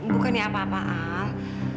bukannya apa apa al